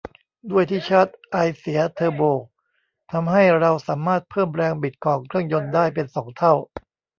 ด้วยที่ชาร์จไอเสียเทอร์โบทำให้เราสามารถเพิ่มแรงบิดของเครื่องยนต์ได้เป็นสองเท่า